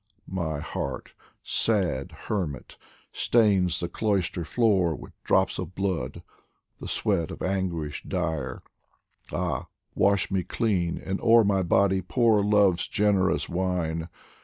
My heart, sad hermit, stains the cloister floor With drops of blood, the sweat of anguish dire ; Ah, wash me clean, and o'er my body pour Love's generous wine